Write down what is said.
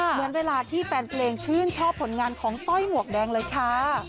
เหมือนเวลาที่แฟนเพลงชื่นชอบผลงานของต้อยหมวกแดงเลยค่ะ